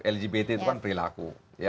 lgbt itu kan perilaku